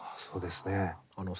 そうですね。